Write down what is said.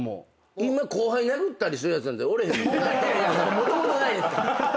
もともとないですから。